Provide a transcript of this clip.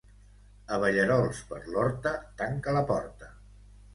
Abellerols per l'horta, tanca la porta.